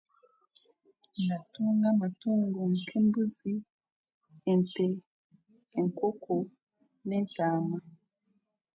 Ndatunga amatungo nk'embuzi, ente, enkoko n'entaama.